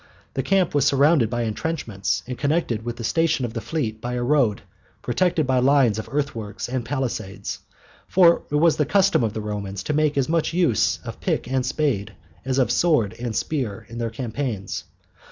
The camp was surrounded by entrenchments, and connected with the station of the fleet by a road protected by lines of earthworks and palisades, for it was the custom of the Romans to make as much use of pick and spade as of sword and spear in their campaigns.